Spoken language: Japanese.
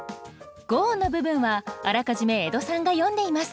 五音の部分はあらかじめ江戸さんが詠んでいます。